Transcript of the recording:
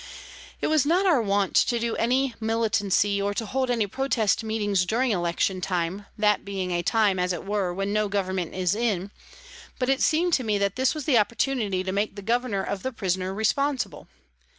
It was not our wont to do any militancy or to hold any protest meetings during election time, that being a time, as it were, when no Government is in, but it seemed to me that this was the opportunity to make the Governor of the prison responsible.